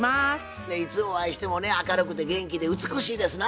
いつお会いしてもね明るくて元気で美しいですな。